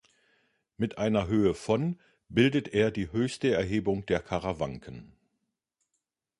Mit einer Höhe von bildet er die höchste Erhebung der Karawanken.